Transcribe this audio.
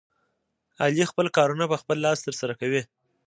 علي خپل کارونه په خپل لاس ترسره کوي.